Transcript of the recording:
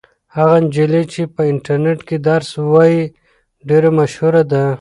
هغه نجلۍ چې په انټرنيټ کې درس وایي ډېره مشهوره ده.